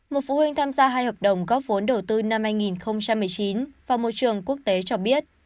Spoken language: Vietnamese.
một phụ huynh tham gia hai hợp đồng góp vốn đầu tư năm hai nghìn một mươi chín và môi trường quốc tế cho biết